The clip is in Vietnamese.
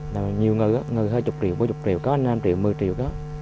nhiều người hai mươi triệu bốn mươi triệu có năm triệu một mươi triệu